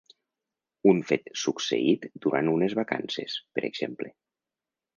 Un fet succeït durant unes vacances, per exemple.